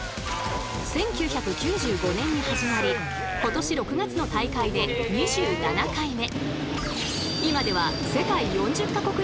１９９５年に始まり今年６月の大会で２７回目。